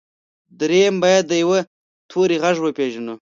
درېيم بايد د يوه توري غږ وپېژنو.